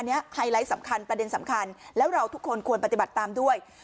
อันนี้ไฮไลท์สำคัญประเด็นสำคัญแล้วเราทุกคนควรปฏิบัติตามด้วย